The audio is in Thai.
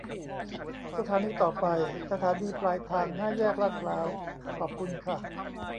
สถานีต่อไป สถานีปลายทางห้าแยกลาดพร้าว ขอบคุณค่ะ